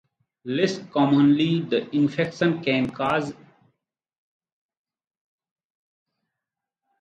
Less commonly the infection can cause pneumonitis, endocarditis or meningitis.